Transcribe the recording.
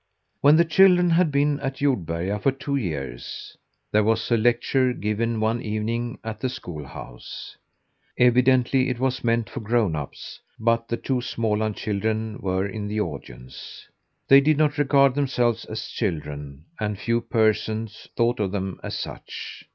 When the children had been at Jordberga for two years, there was a lecture given one evening at the schoolhouse. Evidently it was meant for grown ups, but the two Småland children were in the audience. They did not regard themselves as children, and few persons thought of them as such.